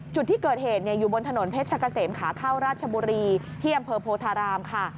จุดที่เกิดเหตุอยู่บนถนนเพชรกะเสมขาเข้าราชบุรีที่อำเภอโพธารามค่ะ